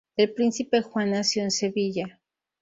El príncipe Juan nació en Sevilla.